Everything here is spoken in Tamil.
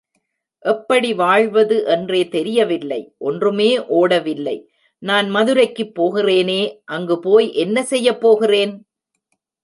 எப்படி வாழ்வது என்றே தெரியவில்லை, ஒன்றுமே ஓடவில்லை, நான் மதுரைக்குப் போகிறேனே அங்கு போய் என்ன செய்ய போகிறேன்?